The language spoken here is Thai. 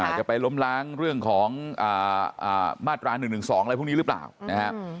จะไปล้มล้างเรื่องของมาตรา๑๑๒อะไรพวกนี้หรือเปล่านะครับ